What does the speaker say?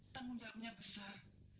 tanggung jawabnya besar